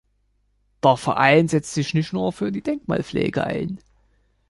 Der Verein setzt sich nicht nur für die Denkmalpflege ein.